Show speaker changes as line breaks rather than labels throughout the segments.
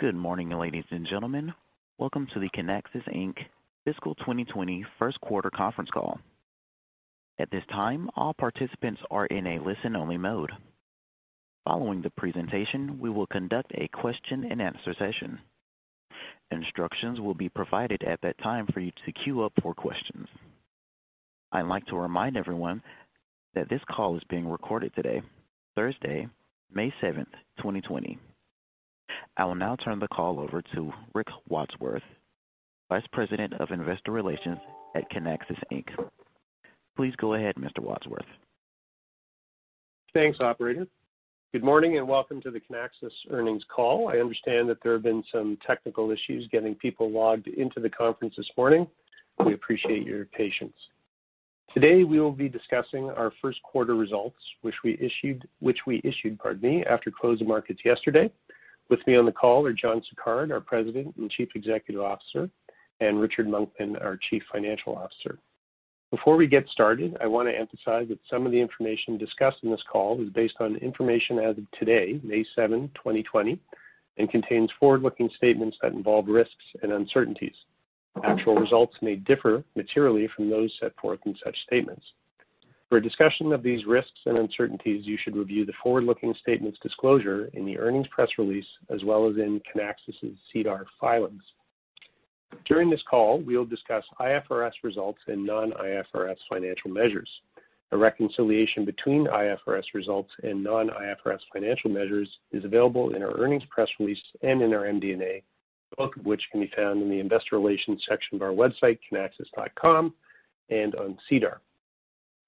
Good morning, ladies and gentlemen. Welcome to the Kinaxis, Inc Fiscal 2020 First Quarter Conference Call. At this time, all participants are in a listen-only mode. Following the presentation, we will conduct a question-and-answer session. Instructions will be provided at that time for you to queue up for questions. I'd like to remind everyone that this call is being recorded today, Thursday, May 7th, 2020. I will now turn the call over to Rick Wadsworth, Vice President of Investor Relations at Kinaxis Inc. Please go ahead, Mr. Wadsworth.
Thanks, operator. Good morning and welcome to the Kinaxis earnings call. I understand that there have been some technical issues getting people logged into the conference this morning. We appreciate your patience. Today, we will be discussing our first quarter results, which we issued, pardon me, after close of markets yesterday. With me on the call are John Sicard, our President and Chief Executive Officer, and Richard Monkman, our Chief Financial Officer. Before we get started, I want to emphasize that some of the information discussed in this call is based on information as of today, May 7, 2020, and contains forward-looking statements that involve risks and uncertainties. Actual results may differ materially from those set forth in such statements. For a discussion of these risks and uncertainties, you should review the forward-looking statements disclosure in the earnings press release, as well as in Kinaxis' SEDAR filings. During this call, we will discuss IFRS results and non-IFRS financial measures. A reconciliation between IFRS results and non-IFRS financial measures is available in our earnings press release and in our MD&A, both of which can be found in the investor relations section of our website, kinaxis.com, and on SEDAR.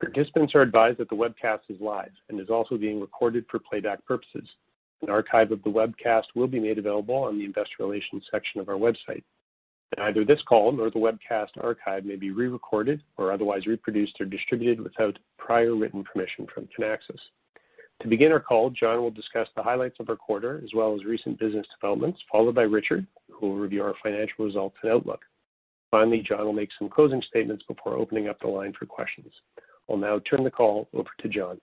Participants are advised that the webcast is live and is also being recorded for playback purposes. An archive of the webcast will be made available on the investor relations section of our website. Neither this call nor the webcast archive may be re-recorded or otherwise reproduced or distributed without prior written permission from Kinaxis. To begin our call, John will discuss the highlights of our quarter as well as recent business developments, followed by Richard, who will review our financial results and outlook. Finally, John will make some closing statements before opening up the line for questions. I'll now turn the call over to John.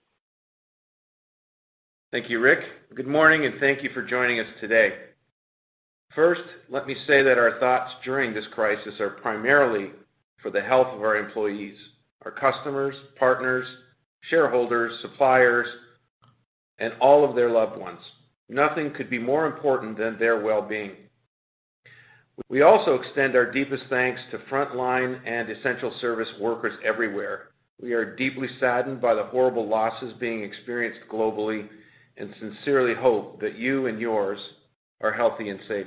Thank you, Rick. Good morning, and thank you for joining us today. First, let me say that our thoughts during this crisis are primarily for the health of our employees, our customers, partners, shareholders, suppliers, and all of their loved ones. Nothing could be more important than their well-being. We also extend our deepest thanks to frontline and essential service workers everywhere. We are deeply saddened by the horrible losses being experienced globally and sincerely hope that you and yours are healthy and safe.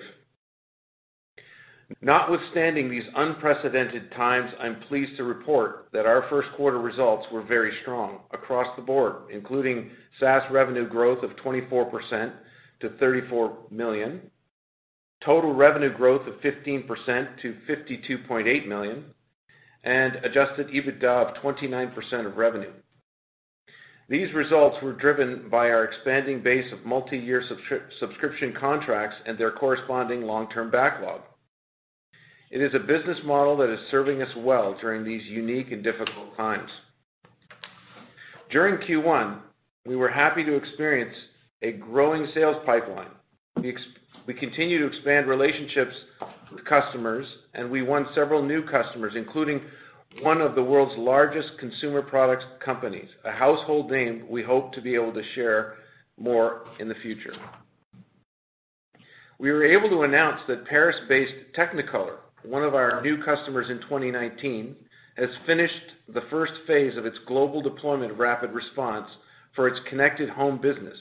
Notwithstanding these unprecedented times, I'm pleased to report that our first quarter results were very strong across the board, including SaaS revenue growth of 24% to $34 million, total revenue growth of 15% to $52.8 million, and adjusted EBITDA of 29% of revenue. These results were driven by our expanding base of multiyear subscription contracts and their corresponding long-term backlog. It is a business model that is serving us well during these unique and difficult times. During Q1, we were happy to experience a growing sales pipeline. We continue to expand relationships with customers, and we won several new customers, including one of the world's largest consumer products companies, a household name we hope to be able to share more in the future. We were able to announce that Paris-based Technicolor, one of our new customers in 2019, has finished the first phase of its global deployment of RapidResponse for its connected home business.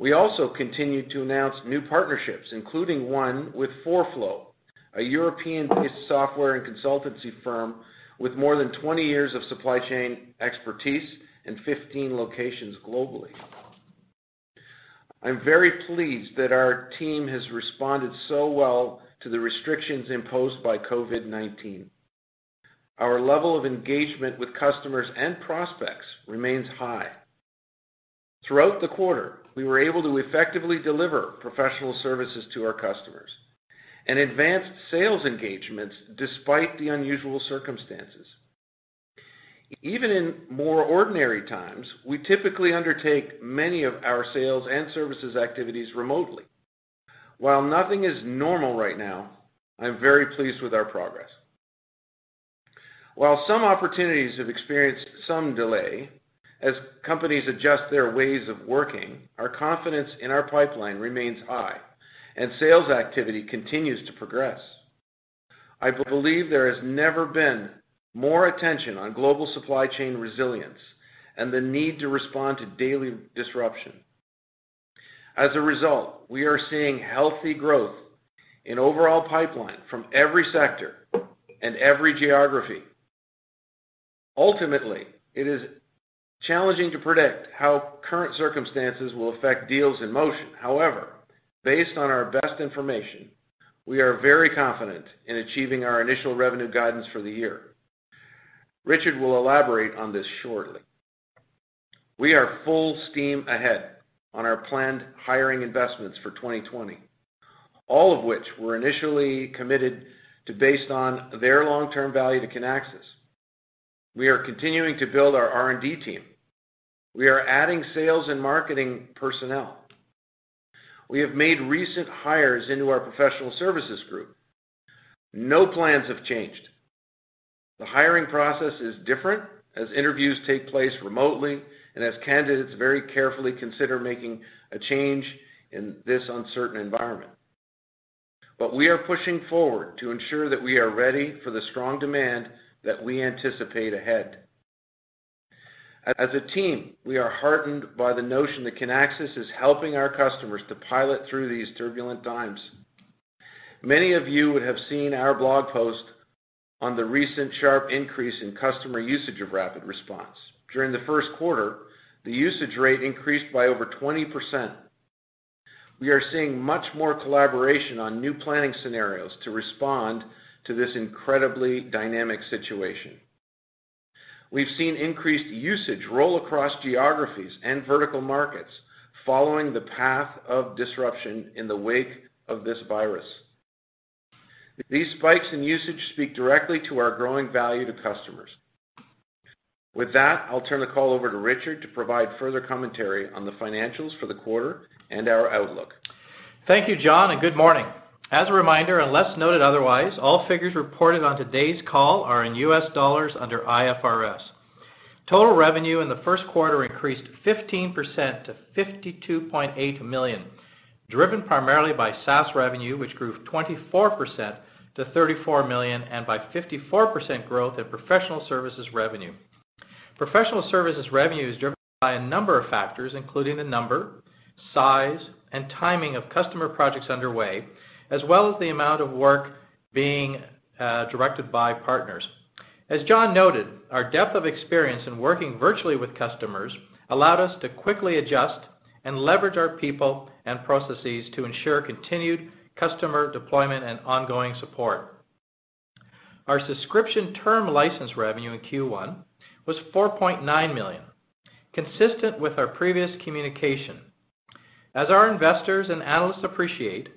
We also continued to announce new partnerships, including one with 4flow, a European-based software and consultancy firm with more than 20 years of supply chain expertise in 15 locations globally. I'm very pleased that our team has responded so well to the restrictions imposed by COVID-19. Our level of engagement with customers and prospects remains high. Throughout the quarter, we were able to effectively deliver professional services to our customers and advanced sales engagements despite the unusual circumstances. Even in more ordinary times, we typically undertake many of our sales and services activities remotely. While nothing is normal right now, I'm very pleased with our progress. While some opportunities have experienced some delay as companies adjust their ways of working, our confidence in our pipeline remains high and sales activity continues to progress. I believe there has never been more attention on global supply chain resilience and the need to respond to daily disruption. We are seeing healthy growth in overall pipeline from every sector and every geography. It is challenging to predict how current circumstances will affect deals in motion. Based on our best information, we are very confident in achieving our initial revenue guidance for the year. Richard will elaborate on this shortly. We are full steam ahead on our planned hiring investments for 2020, all of which were initially committed to based on their long-term value to Kinaxis. We are continuing to build our R&D team. We are adding sales and marketing personnel. We have made recent hires into our professional services group. No plans have changed. The hiring process is different as interviews take place remotely and as candidates very carefully consider making a change in this uncertain environment. We are pushing forward to ensure that we are ready for the strong demand that we anticipate ahead. As a team, we are heartened by the notion that Kinaxis is helping our customers to pilot through these turbulent times. Many of you would have seen our blog post on the recent sharp increase in customer usage of RapidResponse. During the first quarter, the usage rate increased by over 20%. We are seeing much more collaboration on new planning scenarios to respond to this incredibly dynamic situation. We've seen increased usage roll across geographies and vertical markets following the path of disruption in the wake of this virus. These spikes in usage speak directly to our growing value to customers. With that, I'll turn the call over to Richard to provide further commentary on the financials for the quarter and our outlook.
Thank you, John, and good morning. As a reminder, unless noted otherwise, all figures reported on today's call are in US dollars under IFRS. Total revenue in the first quarter increased 15% to $52.8 million, driven primarily by SaaS revenue, which grew 24% to $34 million, and by 54% growth in professional services revenue. Professional services revenue is driven by a number of factors, including the number, size, and timing of customer projects underway, as well as the amount of work being directed by partners. As John noted, our depth of experience in working virtually with customers allowed us to quickly adjust and leverage our people and processes to ensure continued customer deployment and ongoing support. Our subscription term license revenue in Q1 was $4.9 million, consistent with our previous communication. As our investors and analysts appreciate,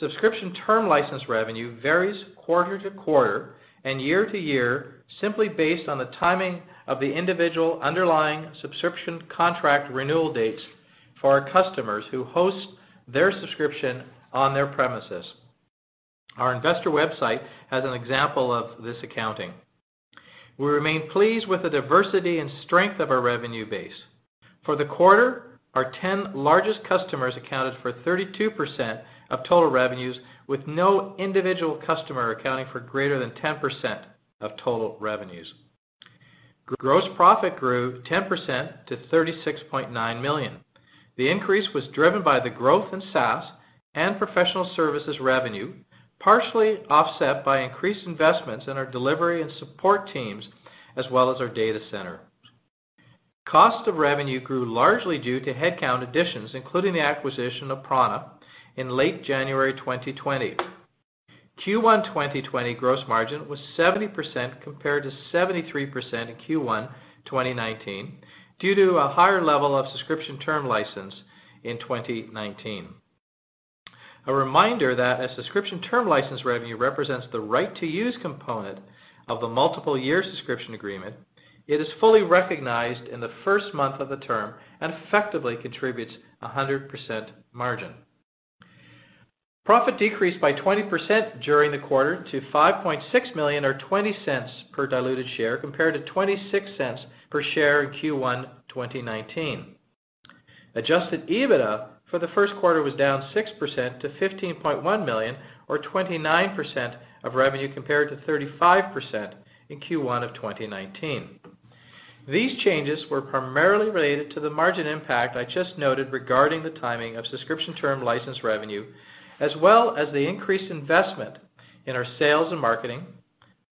subscription term license revenue varies quarter-over-quarter and year-over-year simply based on the timing of the individual underlying subscription contract renewal dates for our customers who host their subscription on their premises. Our investor website has an example of this accounting. We remain pleased with the diversity and strength of our revenue base. For the quarter, our 10 largest customers accounted for 32% of total revenues, with no individual customer accounting for greater than 10% of total revenues. Gross profit grew 10% to $36.9 million. The increase was driven by the growth in SaaS and professional services revenue, partially offset by increased investments in our delivery and support teams, as well as our data center. Cost of revenue grew largely due to headcount additions, including the acquisition of Prana in late January 2020. Q1 2020 gross margin was 70%, compared to 73% in Q1 2019, due to a higher level of subscription term license in 2019. A reminder that as subscription term license revenue represents the right-to-use component of the multiple-year subscription agreement, it is fully recognized in the first month of the term and effectively contributes 100% margin. Profit decreased by 20% during the quarter to $5.6 million, or $0.20 per diluted share, compared to $0.26 per share in Q1 2019. adjusted EBITDA for the first quarter was down 6% to $15.1 million, or 29% of revenue, compared to 35% in Q1 of 2019. These changes were primarily related to the margin impact I just noted regarding the timing of subscription term license revenue, as well as the increased investment in our sales and marketing,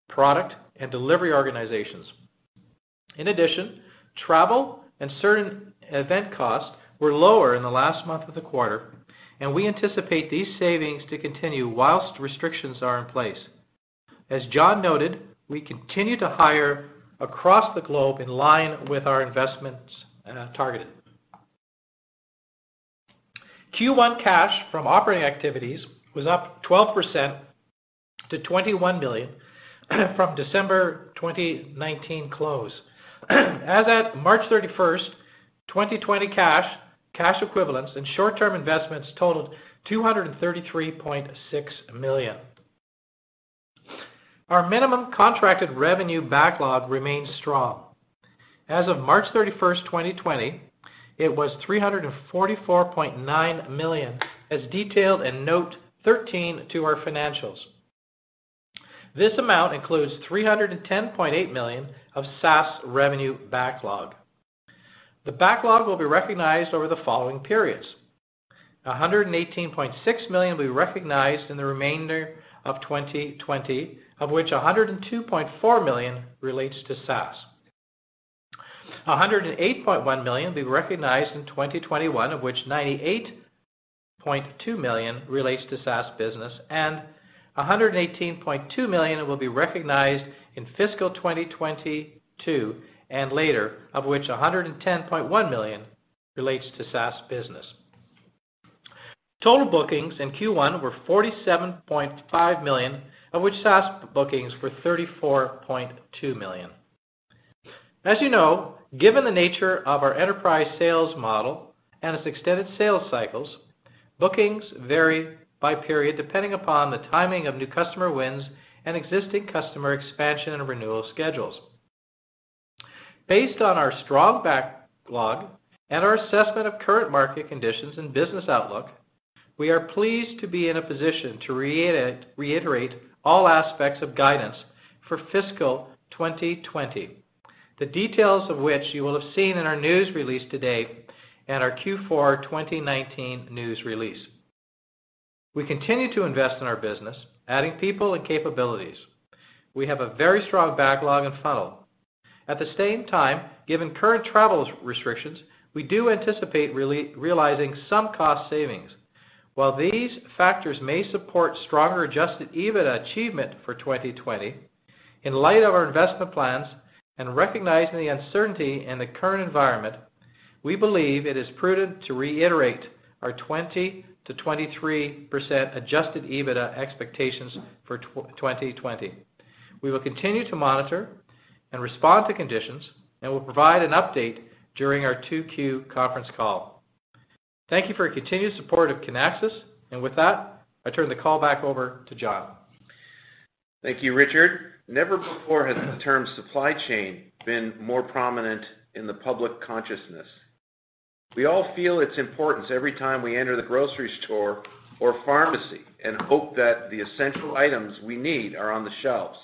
product, and delivery organizations. In addition, travel and certain event costs were lower in the last month of the quarter, and we anticipate these savings to continue while restrictions are in place. As John noted, we continue to hire across the globe in line with our investments target. Q1 cash from operating activities was up 12% to $21 million from December 2019 close. As at March 31, 2020, cash equivalents, and short-term investments totaled $233.6 million. Our minimum contracted revenue backlog remains strong. As of March 31, 2020, it was $344.9 million, as detailed in Note 13 to our financials. This amount includes $310.8 million of SaaS revenue backlog. The backlog will be recognized over the following periods. $118.6 million will be recognized in the remainder of 2020, of which $102.4 million relates to SaaS. $108.1 million will be recognized in 2021, of which $98.2 million relates to SaaS business. $118.2 million will be recognized in fiscal 2022 and later, of which $110.1 million relates to SaaS business. Total bookings in Q1 were $47.5 million, of which SaaS bookings were $34.2 million. As you know, given the nature of our enterprise sales model and its extended sales cycles, bookings vary by period depending upon the timing of new customer wins and existing customer expansion and renewal schedules. Based on our strong backlog and our assessment of current market conditions and business outlook, we are pleased to be in a position to reiterate all aspects of guidance for fiscal 2020, the details of which you will have seen in our news release today and our Q4 2019 news release. We continue to invest in our business, adding people and capabilities. We have a very strong backlog and funnel. At the same time, given current travel restrictions, we do anticipate realizing some cost savings. While these factors may support stronger adjusted EBITDA achievement for 2020, in light of our investment plans, and recognizing the uncertainty in the current environment, we believe it is prudent to reiterate our 20%-23% adjusted EBITDA expectations for 2020. We will continue to monitor and respond to conditions and will provide an update during our Q2 conference call. Thank you for your continued support of Kinaxis. And with that, I turn the call back over to John.
Thank you, Richard. Never before has the term supply chain been more prominent in the public consciousness. We all feel its importance every time we enter the grocery store or pharmacy and hope that the essential items we need are on the shelves.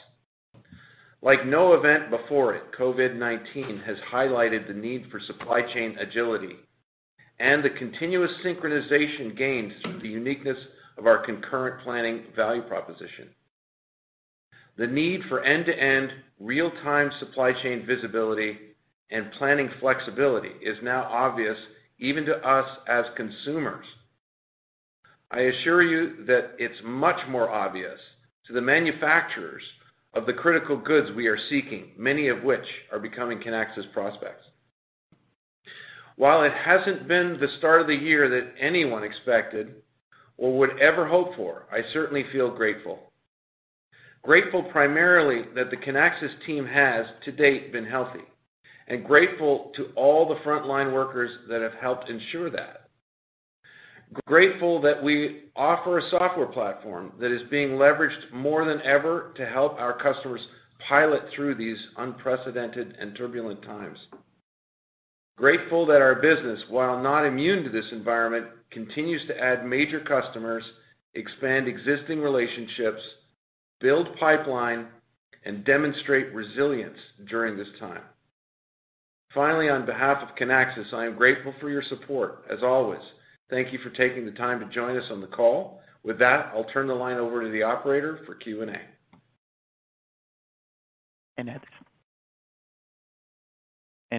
Like no event before it, COVID-19 has highlighted the need for supply chain agility and the continuous synchronization gained through the uniqueness of our concurrent planning value proposition. The need for end-to-end real-time supply chain visibility and planning flexibility is now obvious even to us as consumers. I assure you that it's much more obvious to the manufacturers of the critical goods we are seeking, many of which are becoming Kinaxis prospects. While it hasn't been the start of the year that anyone expected or would ever hope for, I certainly feel grateful. Grateful primarily that the Kinaxis team has, to date, been healthy, and grateful to all the frontline workers that have helped ensure that. Grateful that we offer a software platform that is being leveraged more than ever to help our customers pilot through these unprecedented and turbulent times. Grateful that our business, while not immune to this environment, continues to add major customers, expand existing relationships, build pipeline, and demonstrate resilience during this time. Finally, on behalf of Kinaxis, I am grateful for your support. As always, thank you for taking the time to join us on the call. With that, I'll turn the line over to the operator for Q&A.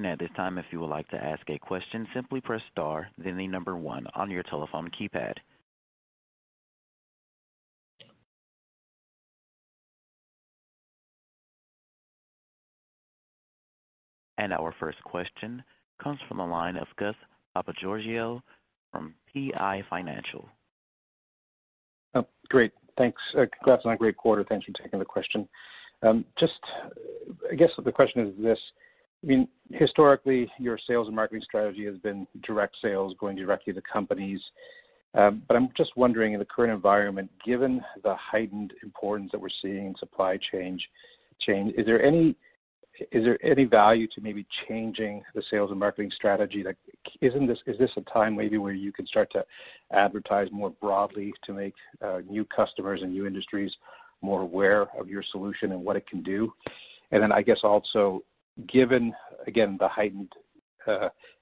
At this time, if you would like to ask a question, simply press star then the number one on your telephone keypad. Our first question comes from the line of Gus Papageorgiou from PI Financial.
Oh, great. Thanks. Congrats on a great quarter. Thanks for taking the question. I guess the question is this. Historically, your sales and marketing strategy has been direct sales going directly to companies. I'm just wondering, in the current environment, given the heightened importance that we're seeing in supply chain, is there any value to maybe changing the sales and marketing strategy? Is this a time maybe where you can start to advertise more broadly to make new customers and new industries more aware of your solution and what it can do? Then I guess also, given, again, the heightened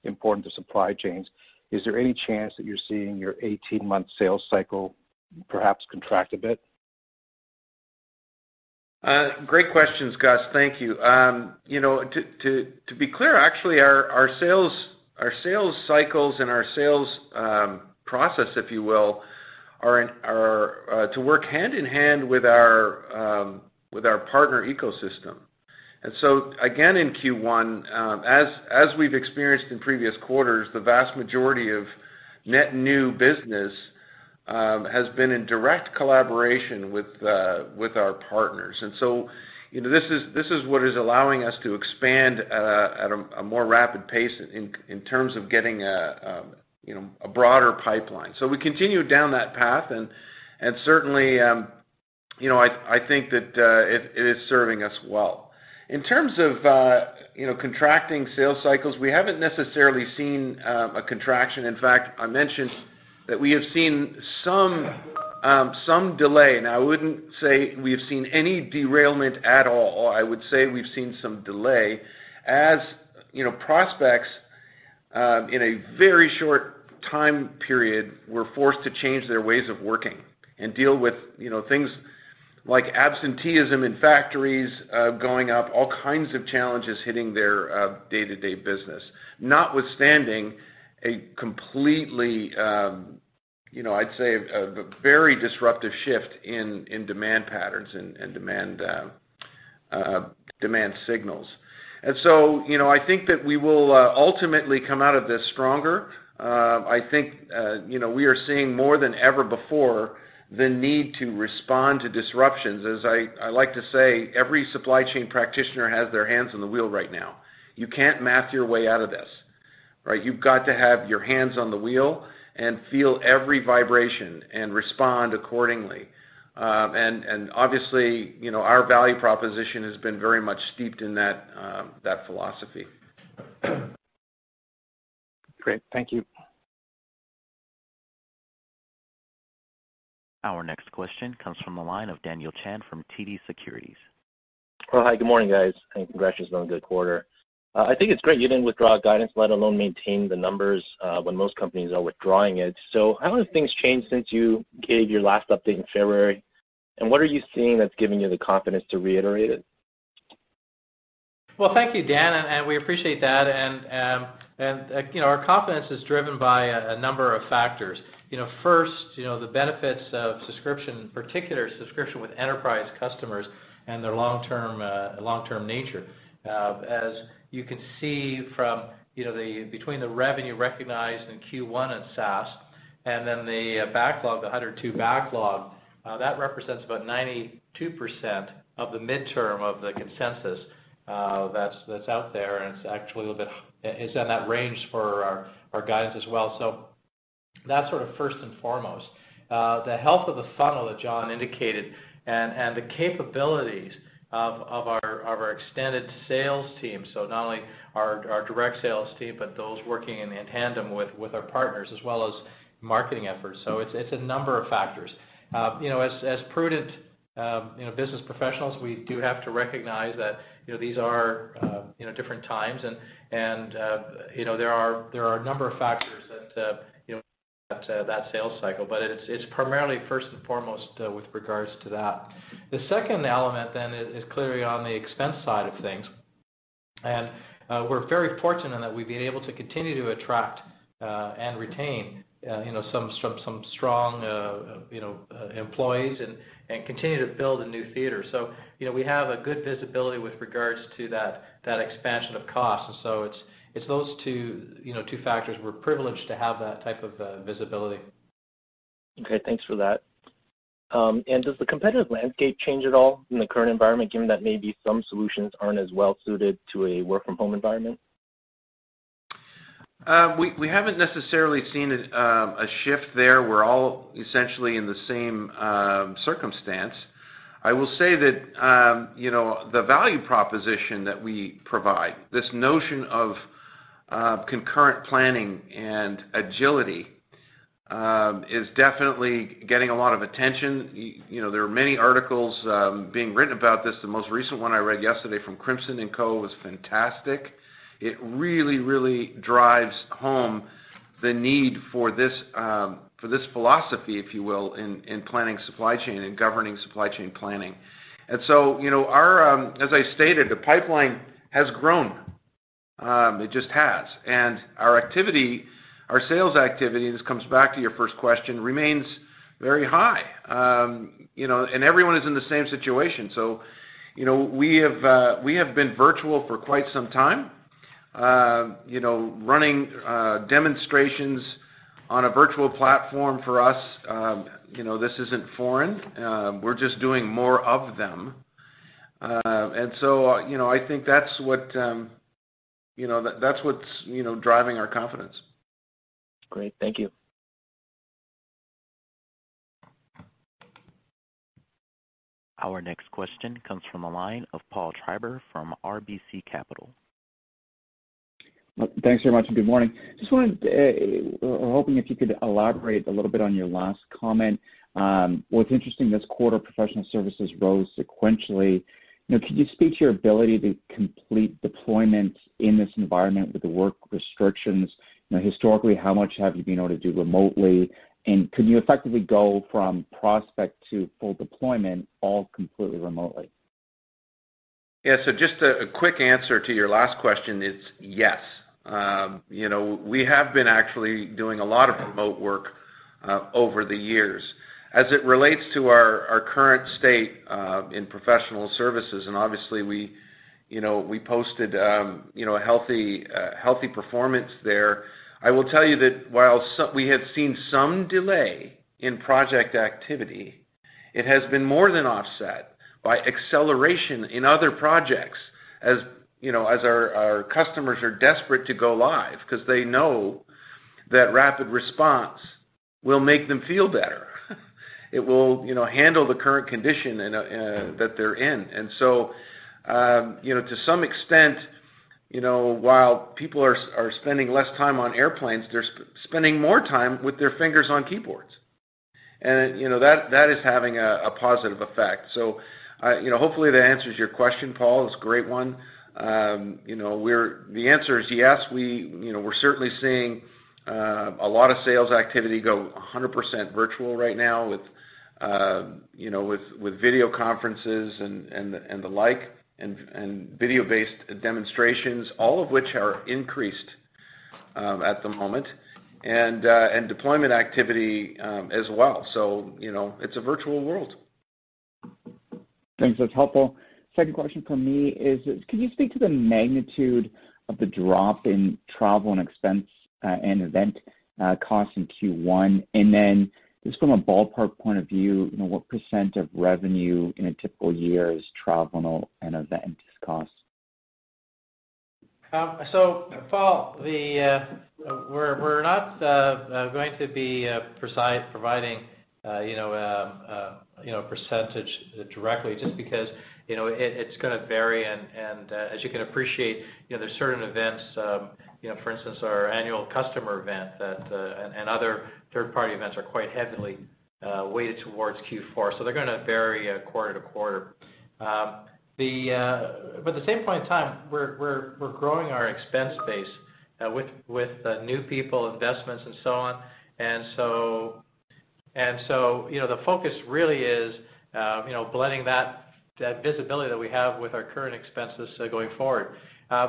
importance of supply chains, is there any chance that you're seeing your 18-month sales cycle perhaps contract a bit?
Great questions, Gus. Thank you. To be clear, actually, our sales cycles and our sales process, if you will, are to work hand-in-hand with our partner ecosystem. Again, in Q1, as we've experienced in previous quarters, the vast majority of net new business has been in direct collaboration with our partners. This is what is allowing us to expand at a more rapid pace in terms of getting a broader pipeline. We continue down that path, and certainly, I think that it is serving us well. In terms of contracting sales cycles, we haven't necessarily seen a contraction. In fact, I mentioned that we have seen some delay. Now, I wouldn't say we have seen any derailment at all. I would say we've seen some delay as prospects, in a very short time period, were forced to change their ways of working and deal with things like absenteeism in factories going up, all kinds of challenges hitting their day-to-day business. Notwithstanding a completely, I'd say, a very disruptive shift in demand patterns and demand-demand signals. I think that we will ultimately come out of this stronger. I think we are seeing more than ever before the need to respond to disruptions. As I like to say, every supply chain practitioner has their hands on the wheel right now. You can't math your way out of this. You've got to have your hands on the wheel and feel every vibration and respond accordingly. Obviously, our value proposition has been very much steeped in that philosophy.
Great. Thank you.
Our next question comes from the line of Daniel Chan from TD Securities.
Hi. Good morning, guys, and congratulations on a good quarter. I think it's great you didn't withdraw guidance, let alone maintain the numbers when most companies are withdrawing it. How have things changed since you gave your last update in February, and what are you seeing that's giving you the confidence to reiterate it?
Well, thank you, Dan, and we appreciate that. Our confidence is driven by a number of factors. First, the benefits of subscription, in particular subscription with enterprise customers and their long-term nature. As you can see from between the revenue recognized in Q1 at SaaS and then the backlog, the $102 backlog, that represents about 92% of the midterm of the consensus that's out there, and it's in that range for our guidance as well. That's sort of first and foremost. The health of the funnel that John indicated and the capabilities of our extended sales team, not only our direct sales team, but those working in tandem with our partners, as well as marketing efforts. It's a number of factors. As prudent business professionals, we do have to recognize that these are different times, and there are a number of factors that sales cycle, but it's primarily first and foremost with regards to that. The second element is clearly on the expense side of things, and we're very fortunate that we've been able to continue to attract and retain some strong employees and continue to build a new theater. We have a good visibility with regards to that expansion of cost. It's those two factors. We're privileged to have that type of visibility.
Okay, thanks for that. Does the competitive landscape change at all in the current environment, given that maybe some solutions aren't as well suited to a work from home environment?
We haven't necessarily seen a shift there. We're all essentially in the same circumstance. I will say that the value proposition that we provide, this notion of concurrent planning and agility, is definitely getting a lot of attention. There are many articles being written about this. The most recent one I read yesterday from Crimson & Co. was fantastic. It really drives home the need for this philosophy, if you will, in planning supply chain and governing supply chain planning. As I stated, the pipeline has grown. It just has. Our activity, our sales activity, this comes back to your first question, remains very high. Everyone is in the same situation. We have been virtual for quite some time. Running demonstrations on a virtual platform for us, this isn't foreign. We're just doing more of them. I think that's what's driving our confidence.
Great. Thank you.
Our next question comes from the line of Paul Treiber from RBC Capital.
Thanks very much. Good morning. Just wanted, or hoping if you could elaborate a little bit on your last comment? What's interesting this quarter, professional services rose sequentially. Could you speak to your ability to complete deployments in this environment with the work restrictions? Historically, how much have you been able to do remotely, and can you effectively go from prospect to full deployment all completely remotely?
Just a quick answer to your last question, it's yes. We have been actually doing a lot of remote work over the years. As it relates to our current state in professional services, and obviously we posted a healthy performance there, I will tell you that while we have seen some delay in project activity, it has been more than offset by acceleration in other projects as our customers are desperate to go live because they know that RapidResponse will make them feel better. It will handle the current condition that they're in. To some extent, while people are spending less time on airplanes, they're spending more time with their fingers on keyboards. That is having a positive effect. Hopefully that answers your question, Paul. It's a great one. The answer is yes. We're certainly seeing a lot of sales activity go 100% virtual right now with video conferences and the like, and video-based demonstrations, all of which are increased-at the moment, and deployment activity as well. It's a virtual world.
Thanks. That's helpful. Second question from me is, could you speak to the magnitude of the drop in travel and expense and event costs in Q1? Just from a ballpark point of view, what % of revenue in a typical year is travel and event costs?
Paul, we're not going to be providing a percentage directly just because it's going to vary and as you can appreciate, there's certain events, for instance, our annual customer event, and other third-party events are quite heavily weighted towards Q4, so they're going to vary quarter to quarter. At the same point in time, we're growing our expense base with new people, investments, and so on. The focus really is blending that visibility that we have with our current expenses going forward.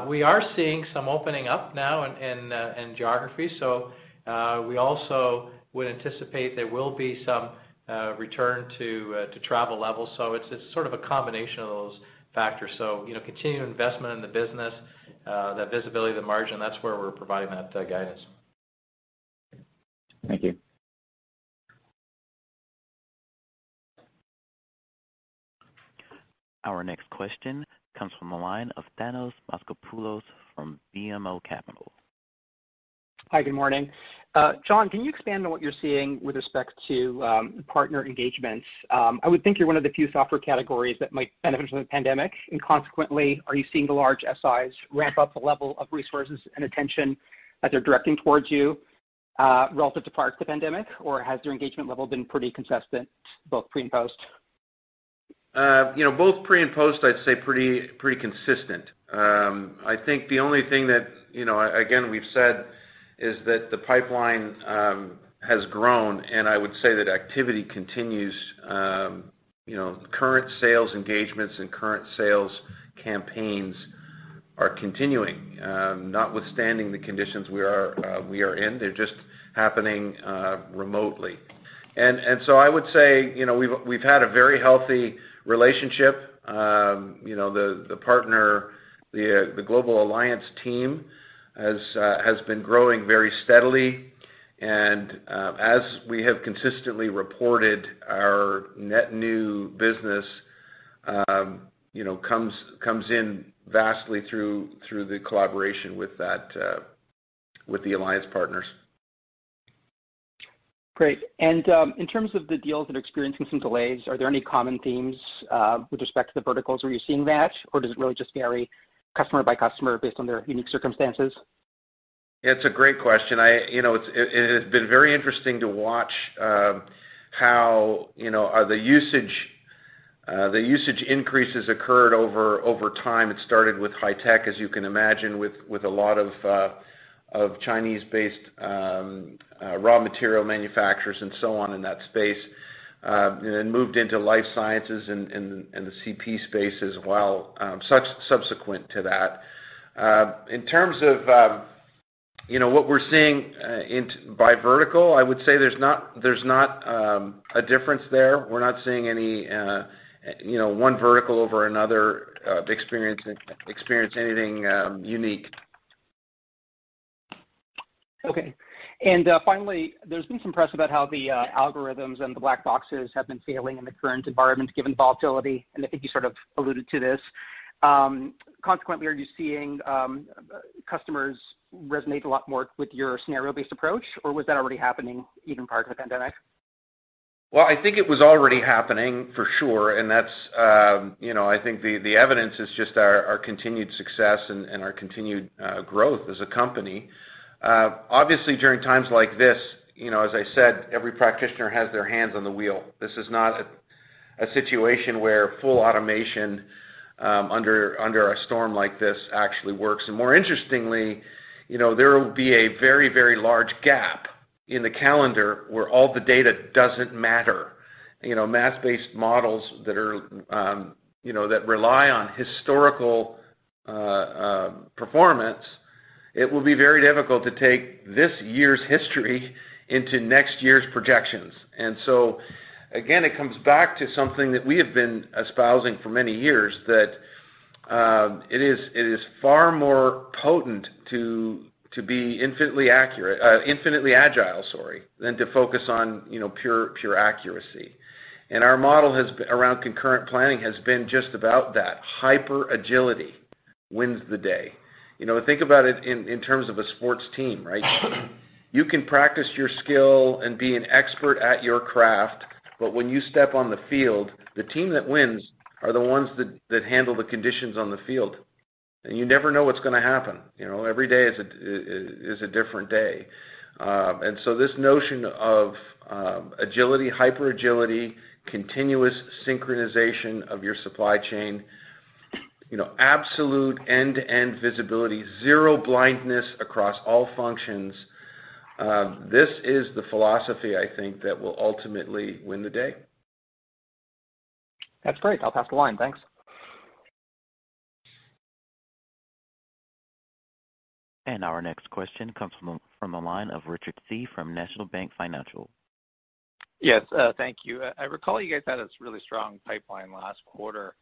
We are seeing some opening up now in geography. We also would anticipate there will be some return to travel levels. It's sort of a combination of those factors. Continued investment in the business, that visibility, the margin. That's where we're providing that guidance.
Thank you.
Our next question comes from the line of Thanos Moschopoulos from BMO Capital.
Hi, good morning. John, can you expand on what you're seeing with respect to partner engagements? I would think you're one of the few software categories that might benefit from the pandemic, and consequently, are you seeing the large SIs ramp up the level of resources and attention that they're directing towards you relative to prior to the pandemic, or has their engagement level been pretty consistent, both pre and post?
Both pre and post, I'd say pretty consistent. I think the only thing that, again, we've said is that the pipeline has grown, I would say that activity continues. Current sales engagements and current sales campaigns are continuing notwithstanding the conditions we are in. They're just happening remotely. So I would say, we've had a very healthy relationship. The partner, the global alliance team, has been growing very steadily. As we have consistently reported, our net new business comes in vastly through the collaboration with the alliance partners.
Great. In terms of the deals that are experiencing some delays, are there any common themes with respect to the verticals where you're seeing that, or does it really just vary customer by customer based on their unique circumstances?
It's a great question. It has been very interesting to watch how the usage increases occurred over time. It started with high tech, as you can imagine, with a lot of Chinese-based raw material manufacturers and so on in that space, and then moved into life sciences and the CP space as well subsequent to that. In terms of what we're seeing by vertical, I would say there's not a difference there. We're not seeing any one vertical over another experience anything unique.
Okay. Finally, there's been some press about how the algorithms and the black boxes have been failing in the current environment given volatility, and I think you sort of alluded to this. Consequently, are you seeing customers resonate a lot more with your scenario-based approach, or was that already happening even prior to the pandemic?
Well, I think it was already happening for sure. I think the evidence is just our continued success and our continued growth as a company. Obviously, during times like this, as I said, every practitioner has their hands on the wheel. This is not a situation where full automation under a storm like this actually works. More interestingly, there will be a very large gap in the calendar where all the data doesn't matter. Math-based models that rely on historical performance, it will be very difficult to take this year's history into next year's projections. Again, it comes back to something that we have been espousing for many years, that it is far more potent to be infinitely agile than to focus on pure accuracy. Our model around concurrent planning has been just about that. Hyper-agility wins the day. Think about it in terms of a sports team, right? You can practice your skill and be an expert at your craft, but when you step on the field, the team that wins are the ones that handle the conditions on the field. You never know what's going to happen. Every day is a different day. This notion of agility, hyper-agility, continuous synchronization of your supply chain, absolute end-to-end visibility, zero blindness across all functions, this is the philosophy I think that will ultimately win the day.
That's great. I'll pass the line, thanks.
Our next question comes from the line of Richard Tse from National Bank Financial.
Yes. Thank you. I recall you guys had a really strong pipeline last quarter.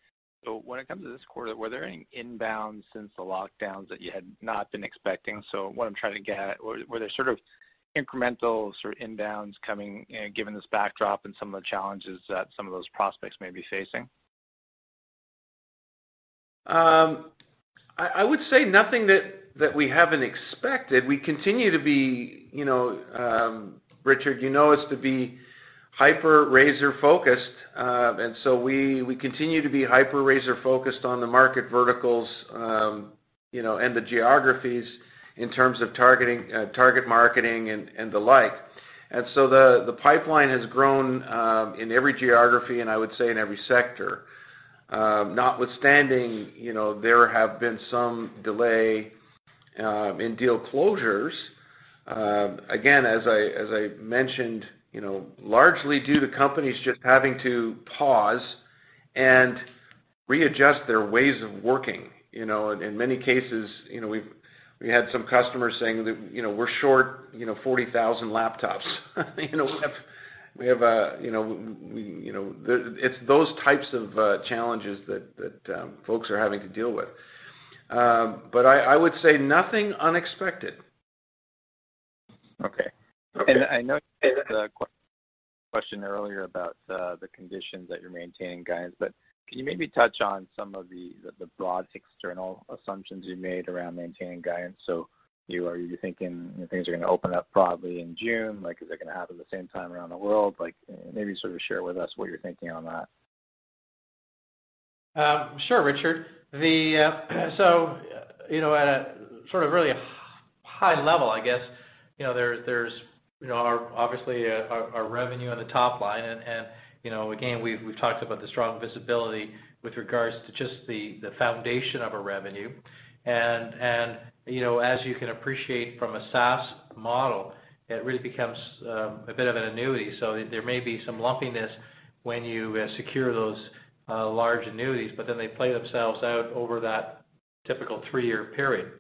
When it comes to this quarter, were there any inbounds since the lockdowns that you had not been expecting? What I'm trying to get at, were there sort of incremental inbounds coming, given this backdrop and some of the challenges that some of those prospects may be facing?
I would say nothing that we haven't expected. Richard, you know us to be hyper razor-focused. We continue to be hyper razor-focused on the market verticals, and the geographies in terms of target marketing and the like. The pipeline has grown, in every geography and I would say in every sector. Notwithstanding, there have been some delay in deal closures. Again, as I mentioned, largely due to companies just having to pause and readjust their ways of working. In many cases, we had some customers saying that, "We're short 40,000 laptops." It's those types of challenges that folks are having to deal with. I would say nothing unexpected.
Okay.
Okay.
I know you answered the question earlier about the conditions that you're maintaining guidance, but can you maybe touch on some of the broad external assumptions you made around maintaining guidance? Are you thinking things are going to open up broadly in June? Is it going to happen at the same time around the world? Maybe sort of share with us what you're thinking on that.
Sure, Richard. At a really high level, I guess, there's obviously our revenue on the top line, and again, we've talked about the strong visibility with regards to just the foundation of our revenue. As you can appreciate from a SaaS model, it really becomes a bit of an annuity. There may be some lumpiness when you secure those large annuities, but then they play themselves out over that typical three-year period.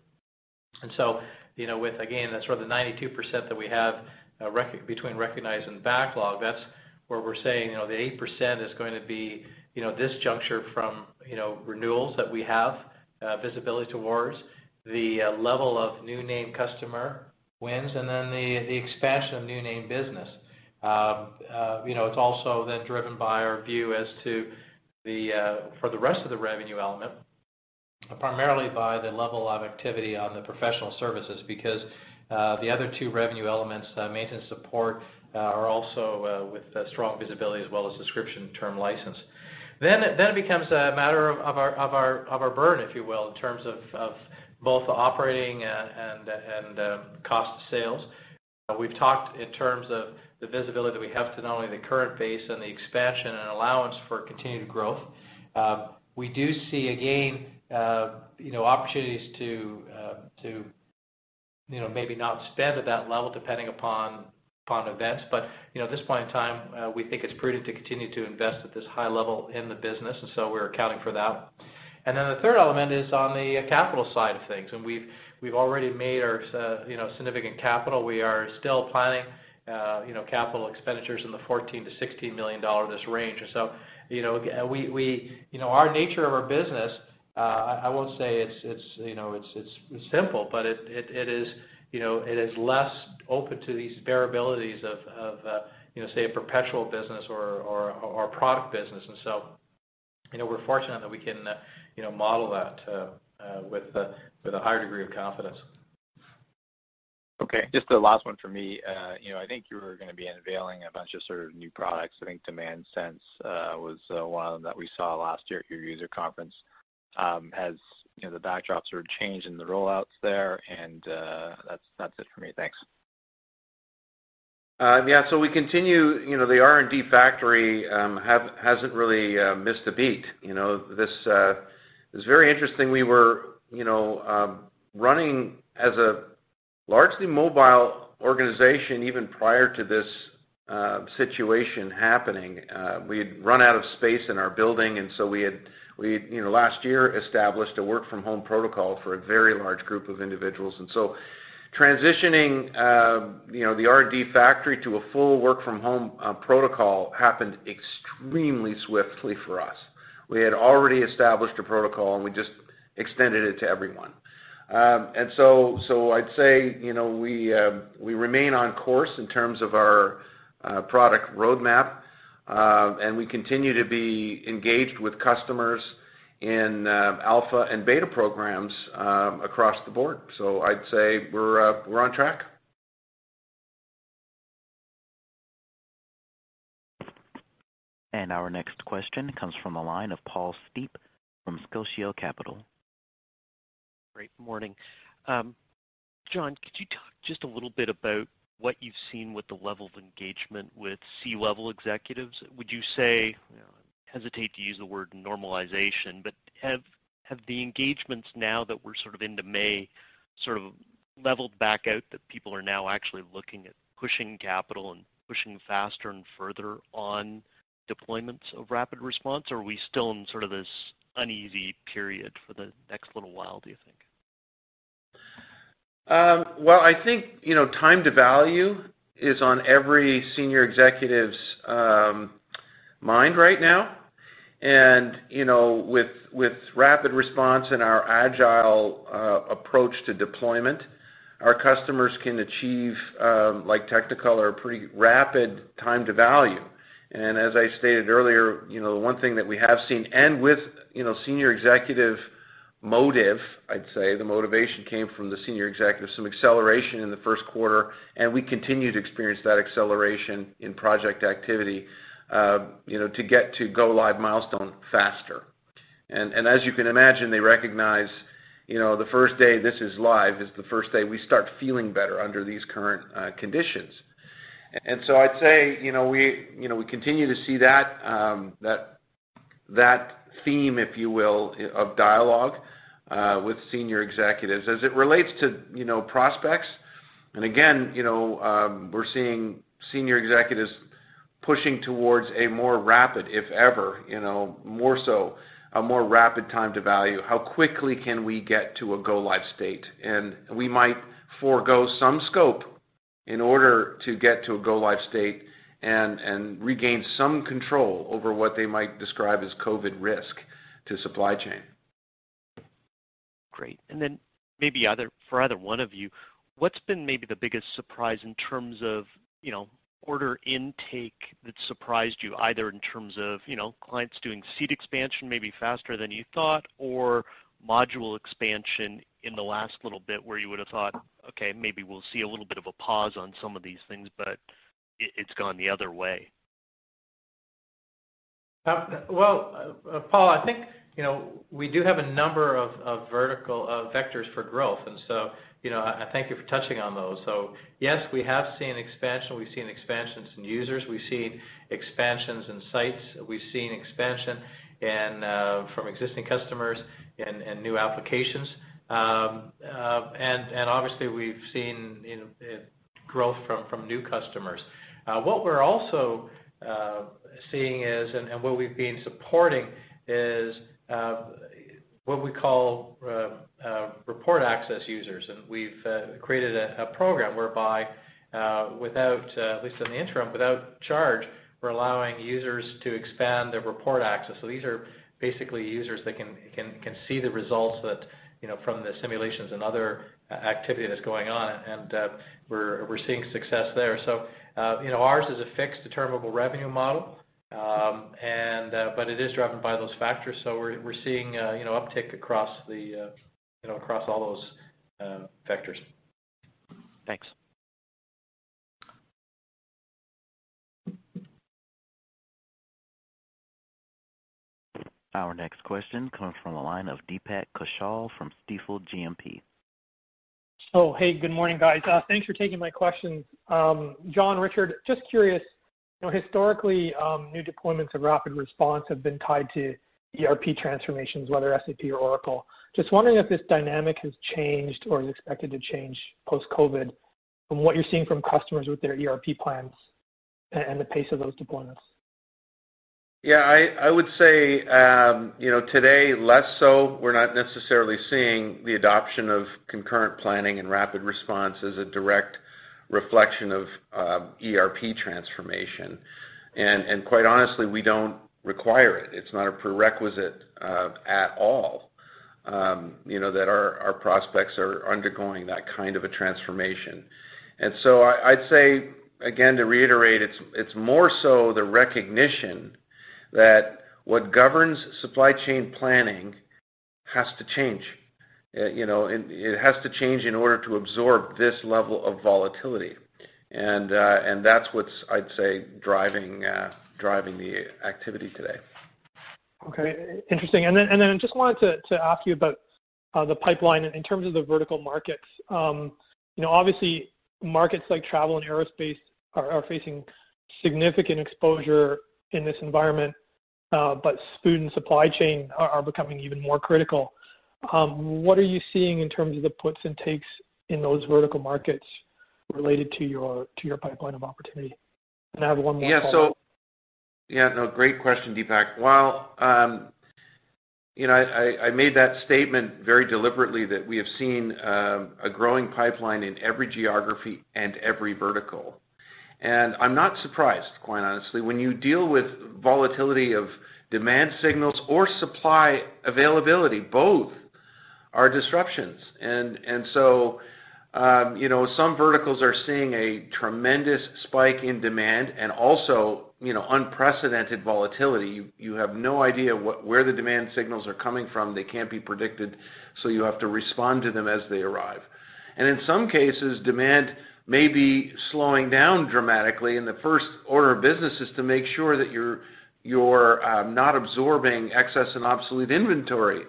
Again, that sort of 92% that we have between recognized and backlog, that's where we're saying the 8% is going to be this juncture from renewals that we have visibility towards, the level of new name customer wins, and then the expansion of new name business. It is also then driven by our view as to the rest of the revenue element, primarily by the level of activity on the professional services, because the other two revenue elements, maintenance support, are also with strong visibility as well as subscription term license. It becomes a matter of our burn, if you will, in terms of both the operating and cost of sales. We have talked in terms of the visibility that we have to not only the current base and the expansion and allowance for continued growth. We do see again, opportunities to maybe not spend at that level depending upon events. At this point in time, we think it is prudent to continue to invest at this high level in the business, and so we are accounting for that. The third element is on the capital side of things, we've already made our significant capital. We are still planning capital expenditures in the $14 million-$16 million range or so. Our nature of our business, I won't say it's simple, but it is less open to these variabilities of, say, a perpetual business or a product business. We're fortunate that we can model that with a higher degree of confidence.
Okay, just the last one for me. I think you were going to be unveiling a bunch of sort of new products. I think Demand.AI was one of them that we saw last year at your user conference. Has the backdrop sort of changed in the rollouts there? That's it for me. Thanks.
The R&D factory hasn't really missed a beat. It was very interesting. We were running as a largely mobile organization even prior to this situation happening. We had run out of space in our building. We, last year, established a work-from-home protocol for a very large group of individuals. Transitioning the R&D factory to a full work-from-home protocol happened extremely swiftly for us. We had already established a protocol. We just extended it to everyone. I'd say we remain on course in terms of our product roadmap. We continue to be engaged with customers in alpha and beta programs across the board. I'd say we're on track.
Our next question comes from the line of Paul Steep from Scotia Capital.
Great. Morning. John, could you talk just a little bit about what you've seen with the level of engagement with C-level executives? Would you say, I hesitate to use the word normalization, but have the engagements now that we're sort of into May leveled back out that people are now actually looking at pushing capital and pushing faster and further on deployments of RapidResponse? Or are we still in sort of this uneasy period for the next little while, do you think?
Well, I think time to value is on every senior executive's mind right now. With RapidResponse and our agile approach to deployment, our customers can achieve, like Technicolor, a pretty rapid time to value. As I stated earlier, the one thing that we have seen, and with senior executive motive, I'd say the motivation came from the senior executive, some acceleration in the first quarter, and we continue to experience that acceleration in project activity to get to go live milestone faster. As you can imagine, they recognize the first day this is live is the first day we start feeling better under these current conditions. I'd say we continue to see that theme, if you will, of dialogue with senior executives. As it relates to prospects, again, we're seeing senior executives pushing towards a more rapid, if ever, more so, a more rapid time to value. How quickly can we get to a go live state? We might forego some scope in order to get to a go live state and regain some control over what they might describe as COVID risk to supply chain.
Great. Maybe for either one of you, what's been maybe the biggest surprise in terms of order intake that surprised you, either in terms of clients doing seat expansion maybe faster than you thought, or module expansion in the last little bit where you would've thought, okay, maybe we'll see a little bit of a pause on some of these things, but it's gone the other way?
Well, Paul, I think we do have a number of vertical vectors for growth, and so I thank you for touching on those. Yes, we have seen expansion. We've seen expansions in users. We've seen expansions in sites. We've seen expansion from existing customers and new applications. Obviously, we've seen growth from new customers. What we're also seeing is, and what we've been supporting is what we call report access users. We've created a program whereby, at least in the interim, without charge, we're allowing users to expand their report access. These are basically users that can see the results from the simulations and other activity that's going on, and we're seeing success there. Ours is a fixed determinable revenue model, but it is driven by those factors. We're seeing uptick across all those vectors.
Thanks.
Our next question comes from the line of Deepak Kaushal from Stifel GMP.
Oh, hey, good morning, guys. Thanks for taking my questions. John, Richard, just curious, historically, new deployments of RapidResponse have been tied to ERP transformations, whether SAP or Oracle. Just wondering if this dynamic has changed or is expected to change post-COVID from what you're seeing from customers with their ERP plans and the pace of those deployments?
Yeah, I would say, today less so. We're not necessarily seeing the adoption of concurrent planning and RapidResponse as a direct reflection of ERP transformation. Quite honestly, we don't require it. It's not a prerequisite at all that our prospects are undergoing that kind of a transformation. I'd say, again, to reiterate, it's more so the recognition that what governs supply chain planning has to change. It has to change in order to absorb this level of volatility. That's what's, I'd say, driving the activity today.
Okay. Interesting. I just wanted to ask you about the pipeline in terms of the vertical markets. Obviously, markets like travel and aerospace are facing significant exposure in this environment. Food and supply chain are becoming even more critical. What are you seeing in terms of the puts and takes in those vertical markets related to your pipeline of opportunity? I have one more follow-up.
Yeah, no. Great question, Deepak. Well, I made that statement very deliberately that we have seen a growing pipeline in every geography and every vertical. I'm not surprised, quite honestly. When you deal with volatility of demand signals or supply availability, both are disruptions. Some verticals are seeing a tremendous spike in demand and also unprecedented volatility. You have no idea where the demand signals are coming from. They can't be predicted, so you have to respond to them as they arrive. In some cases, demand may be slowing down dramatically, and the first order of business is to make sure that you're not absorbing excess and obsolete inventory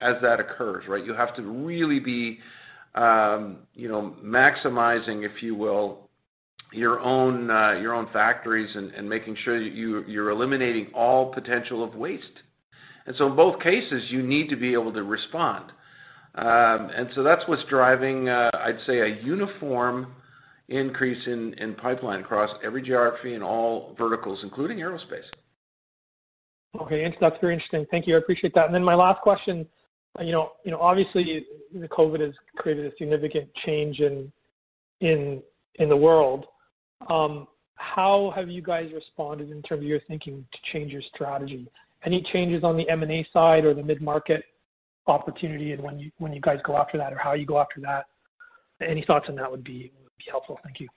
as that occurs, right? You have to really be maximizing, if you will your own factories and making sure that you're eliminating all potential of waste. In both cases, you need to be able to respond. That's what's driving, I'd say, a uniform increase in pipeline across every geography and all verticals, including aerospace.
Okay, that's very interesting. Thank you, I appreciate that. My last question, obviously COVID has created a significant change in the world. How have you guys responded in terms of your thinking to change your strategy? Any changes on the M&A side or the mid-market opportunity and when you guys go after that or how you go after that? Any thoughts on that would be helpful. Thank you.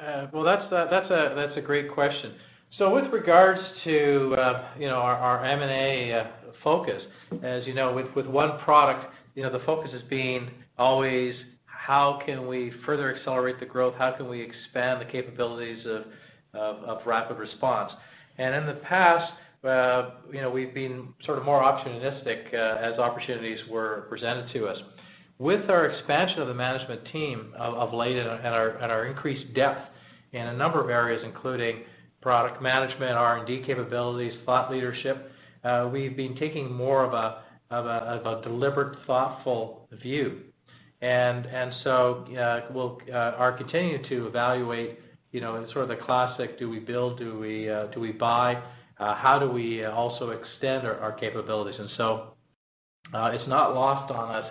That's a great question. With regards to our M&A focus, as you know, with one product, the focus has been always how can we further accelerate the growth? How can we expand the capabilities of RapidResponse? In the past, we've been more opportunistic as opportunities were presented to us. With our expansion of the management team of late and our increased depth in a number of areas, including product management, R&D capabilities, thought leadership, we've been taking more of a deliberate, thoughtful view. We are continuing to evaluate in the classic, do we build, do we buy? How do we also extend our capabilities? It's not lost on us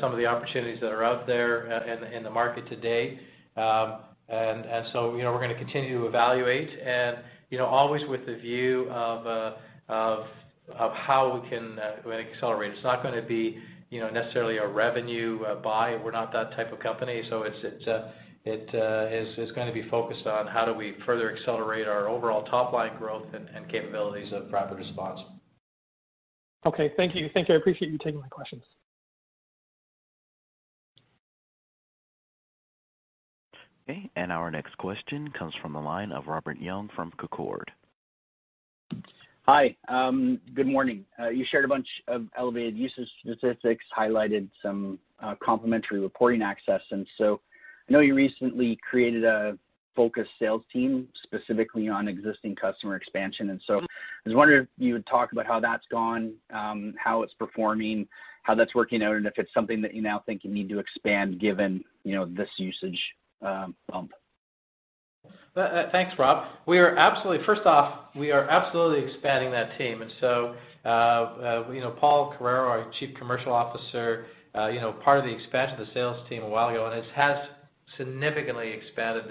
some of the opportunities that are out there in the market today. We're going to continue to evaluate and always with the view of how we can accelerate. It's not going to be necessarily a revenue buy. We're not that type of company. It is going to be focused on how do we further accelerate our overall top-line growth and capabilities of RapidResponse.
Okay. Thank you. I appreciate you taking my questions.
Okay, our next question comes from the line of Robert Young from Canaccord.
Hi. Good morning. You shared a bunch of elevated usage statistics, highlighted some complimentary reporting access. I know you recently created a focused sales team specifically on existing customer expansion. I was wondering if you would talk about how that's gone, how it's performing, how that's working out, and if it's something that you now think you need to expand, given this usage bump.
Thanks, Rob. First off, we are absolutely expanding that team. Paul Carreiro, our Chief Commercial Officer, part of the expansion of the sales team a while ago, and it has significantly expanded